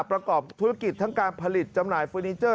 ประกอบธุรกิจทั้งการผลิตจำหน่ายเฟอร์นิเจอร์